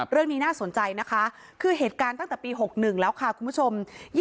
เรื่องนี้น่าสนใจนะคะคือเหตุการณ์ตั้งแต่ปี๖๑แล้วค่ะคุณผู้ชม